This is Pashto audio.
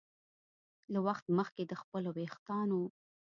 له وخت مخکې د خپلو ویښتانو